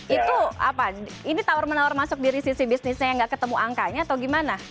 itu apa ini tawar menawar masuk dari sisi bisnisnya yang gak ketemu angkanya atau gimana